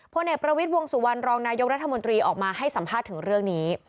เอกประวิทย์วงสุวรรณรองนายกรัฐมนตรีออกมาให้สัมภาษณ์ถึงเรื่องนี้